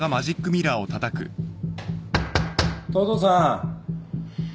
東堂さん。